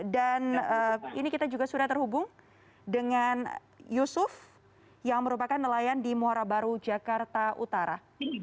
dan ini kita juga sudah terhubung dengan yusuf yang merupakan nelayan di muara baru jakarta utara